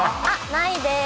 ないでーす。